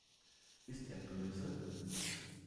Ist er böse?